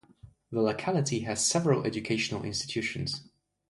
The locality has several educational institutions.